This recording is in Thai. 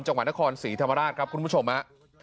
จังหวัดนครศรีธรรมราชครับคุณผู้ชมฮะ